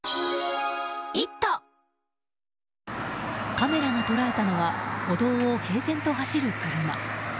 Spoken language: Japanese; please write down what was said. カメラが捉えたのは歩道を平然と走る車。